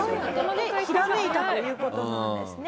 ひらめいたという事なんですね。